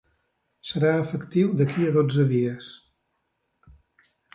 Serà efectiu d’aquí a dotze dies.